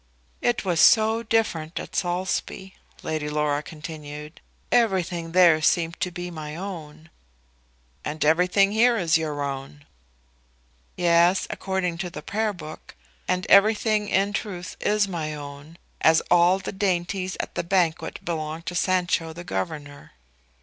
"It was so different at Saulsby," Lady Laura continued. "Everything there seemed to be my own." "And everything here is your own." "Yes, according to the prayer book. And everything in truth is my own, as all the dainties at the banquet belonged to Sancho the Governor."